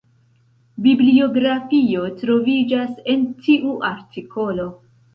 Bibliografio troviĝas en tiu artikolo.